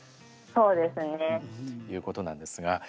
そうですね。ということなんですが。